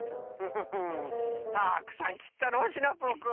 フフフたくさんきったのうシナプーくん。